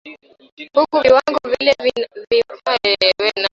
huku viwango vikiwa mara saba zaidi ya vile vinavyoruhusiwa na shirika la afya duniani